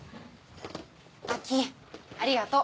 亜季ありがとう！